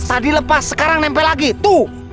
tadi lepas sekarang nempel lagi tuh